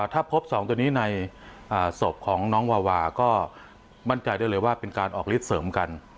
ถ้าพบ๒ตัวนี้ในศพของน้องวาวาก็มั่นใจได้เลยว่าเป็นการออกฤทธิเสริมกัน